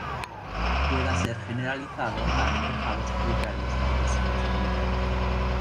Pueda ser generalizado a enrejados arbitrarios en dimensiones arbitrarias.